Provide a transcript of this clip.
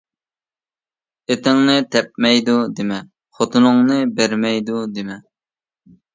ئېتىڭنى تەپمەيدۇ دېمە، خوتۇنۇڭنى بەرمەيدۇ دېمە.